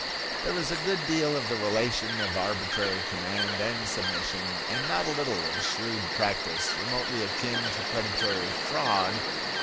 There is a good deal of the relation of arbitrary command and submission, and not a little of shrewd practice, remotely akin to predatory fraud.